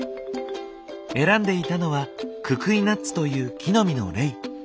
選んでいたのは「ククイナッツ」という木の実のレイ。